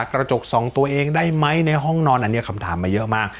กระจกสองตัวเองได้ไหมในห้องนอนอันนี้คำถามมาเยอะมาก